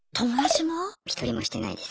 一人もしてないです。